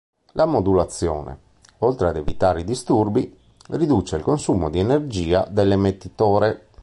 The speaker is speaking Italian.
La modulazione, oltre ad evitare i disturbi, riduce il consumo di energia dell'emettitore.